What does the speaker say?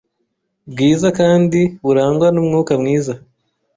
bwiza kandi burangwa n’umwuka mwiza.